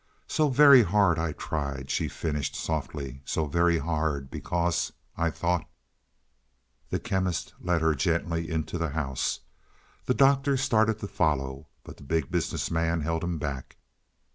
"So very hard I tried," she finished softly. "So very hard, because I thought " The Chemist led her gently into the house. The Doctor started to follow, but the Big Business Man held him back.